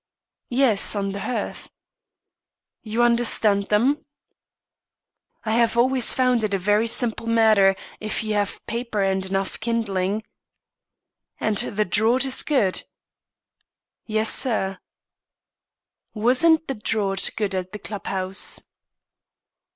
"Yes, on the hearth." "You understand them?" "I have always found it a very simple matter, if you have paper and enough kindling." "And the draught is good." "Yes, sir." "Wasn't the draught good at the club house?"